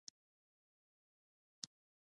آیا ټرافیکي جریمې بانک ته ځي؟